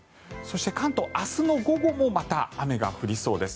関東、明日の午後もまた雨が降りそうです。